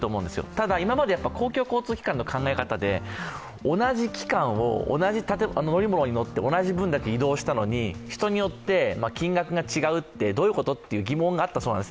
ただ、今まで公共交通機関の考え方で同じ期間を同じ乗り物に乗って、同じ分だけ移動したのに人によって金額が違うってどういうことという疑問があったそうなんです。